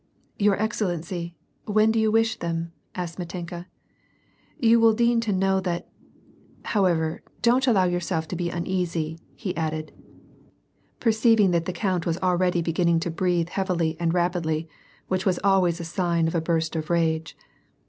" Your excellency, when do you wish them," asked Mitenka ; "you will deign to know that — however, don't allow your self to be uneasy," he added, perceiving that the count was already beginning to breathe heavily and rapidly, which was always a sign of a burst of rage.